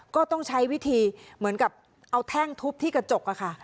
ก็ต้องใช้วิธีเหมือนกับเอาแท่งทุบที่กระจกอะค่ะ